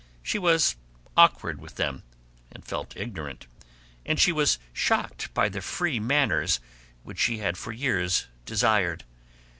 She was awkward with them, and felt ignorant, and she was shocked by the free manners which she had for years desired.